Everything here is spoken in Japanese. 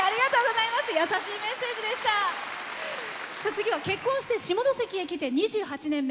次は結婚して下関へ来て２７年目。